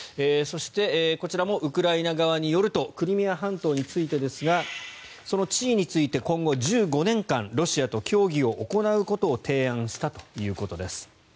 そして、こちらもウクライナ側によるとクリミア半島についてですがその地位について今後１５年間ロシアと協議を行うことを提案したということです。